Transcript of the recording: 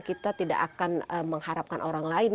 kita tidak akan mengharapkan orang lain